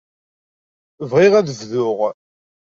Bɣiɣ ad bduɣ.